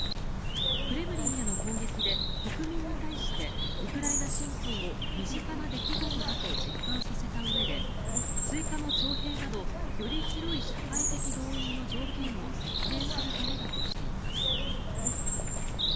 クレムリンへの攻撃で国民に対してウクライナ侵攻を身近な出来事だと実感させたうえで追加の徴兵などより広い社会的動員の条件を設定するためだとしています。